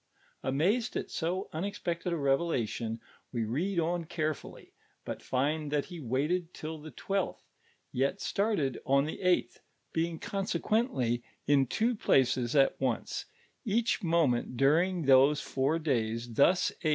Anuized at 80 unexpected n revelation, we n I on carefully, but find tliat ho waited till the twelfth, yet started on the eiufhtli, being consequently in two places at once, each moment during those fnur days; thus n.